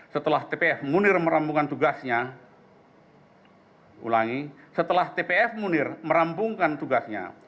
setelah tpf munir merampungkan tugasnya